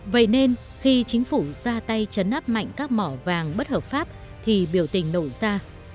vậy nên khi chính phủ ra tay chấn áp mạnh các mỏ vàng bất hợp pháp thì biểu tình nổ ra